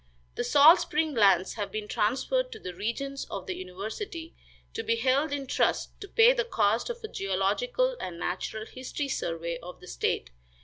The salt spring lands have been transferred to the regents of the university, to be held in trust to pay the cost of a geological and natural history survey of the state.